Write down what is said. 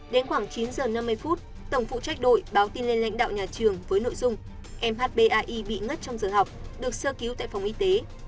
đến khoảng chín h năm mươi tổng phụ trách đội báo tin lên lãnh đạo nhà trường với nội dung mhbai bị ngất trong giờ học được sơ cứu tại phòng y tế